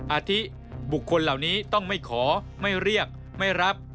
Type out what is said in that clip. อาทิบุคคลเหล่านี้ต้องไม่ขอไม่เรียกไม่รับ